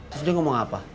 terus dia ngomong apa